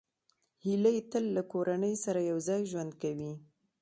هیلۍ تل له کورنۍ سره یوځای ژوند کوي